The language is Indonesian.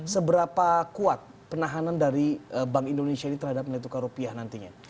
seberapa kuat penahanan dari bank indonesia ini terhadap nilai tukar rupiah nantinya